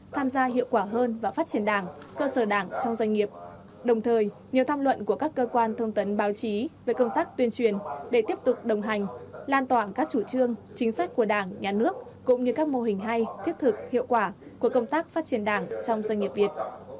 tham gia hiệu quả hơn vào phát triển đảng cơ sở đảng trong doanh nghiệp đồng thời nhiều tham luận của các cơ quan thông tấn báo chí về công tác tuyên truyền để tiếp tục đồng hành lan tỏa các chủ trương chính sách của đảng nhà nước cũng như các mô hình hay thiết thực hiệu quả của công tác phát triển đảng trong doanh nghiệp việt